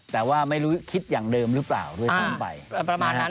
แต่ว่าไม่รู้คิดอย่างเดิมหรือเปล่าด้วยซ้ำไปประมาณนั้น